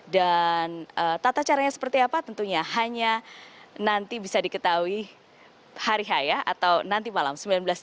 dan tata caranya seperti apa tentunya hanya nanti bisa diketahui hari haya atau nanti malam sembilan belas tiga puluh